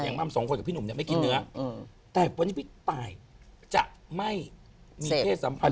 ม่ำสองคนกับพี่หนุ่มเนี่ยไม่กินเนื้อแต่วันนี้พี่ตายจะไม่มีเพศสัมพันธ